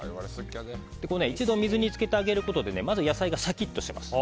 一度、水に浸けてあげることでまず野菜がシャキッとします。